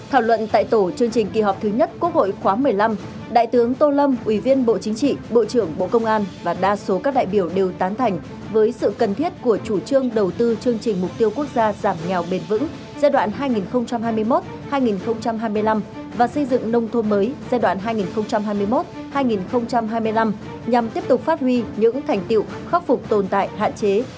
hãy đăng ký kênh để ủng hộ kênh của chúng mình nhé